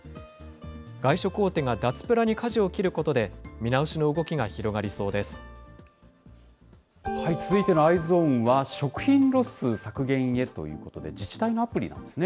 外食大手が脱プラにかじを切ることで、見直しの動きが広がりそう続いてのＥｙｅｓｏｎは、食品ロス削減へということで、自治体のアプリなんですね。